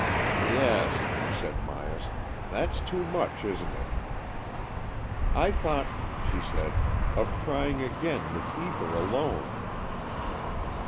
"Yes," said Myas, "that's too much, isn't it?" " I thought," she said, " of trying again with ether alone."